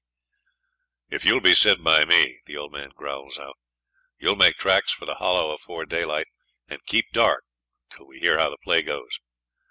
'If you'll be said by me,' the old man growls out, 'you'll make tracks for the Hollow afore daylight and keep dark till we hear how the play goes.